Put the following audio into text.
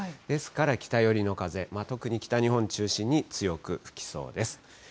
ですから北寄りの風、特に北日本中心に強く吹きそうです。